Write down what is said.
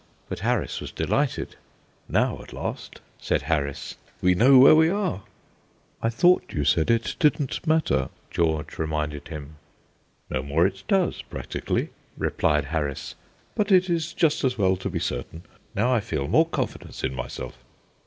But Harris was delighted. "Now, at last," said Harris, "we know where we are." "I thought you said it didn't matter," George reminded him. "No more it does, practically," replied Harris, "but it is just as well to be certain. Now I feel more confidence in myself."